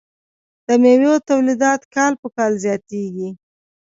د میوو تولیدات کال په کال زیاتیږي.